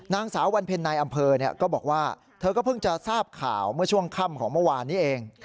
นางสาววันเพ็ญนายอำเภอก็บอกว่าเธอก็เพิ่งจะทราบข่าวเมื่อช่วงค่ำของเมื่อวานนี้เอง